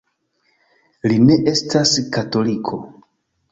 Li ne estas katoliko.